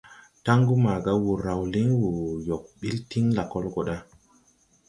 Taŋgu maaga wùr raw líŋ, wùr yɔg ɓil tiŋ lakɔl gɔ ɗa.